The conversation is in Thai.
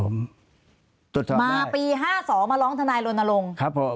มาปี๕๒มาร้องทนายลนลง